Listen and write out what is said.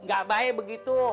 nggak baik begitu